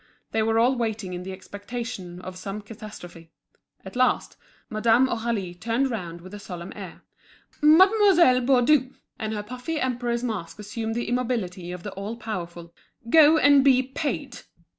They were all waiting in the expectation of some catastrophe. At last, Madame Aurélie turned round with a solemn air. "Mademoiselle Baudu!" And her puffy emperor's mask assumed the immobility of the all powerful: "Go and be paid!"